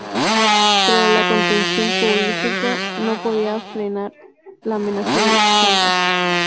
Pero la contención policial no podía frenar la amenaza del chantaje.